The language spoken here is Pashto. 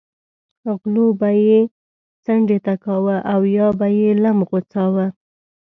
غلو به یې څنډې ته کاوه او یا به یې لم غوڅاوه.